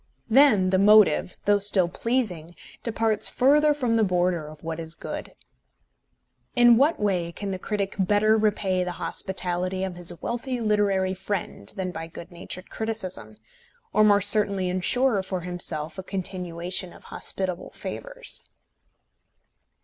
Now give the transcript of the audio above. Then the motive, though still pleasing, departs further from the border of what is good. In what way can the critic better repay the hospitality of his wealthy literary friend than by good natured criticism, or more certainly ensure for himself a continuation of hospitable favours?